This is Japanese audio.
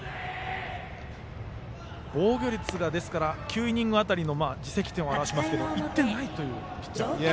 防御率が、９イニング辺りの自責点を表しますが１点ないというピッチャー。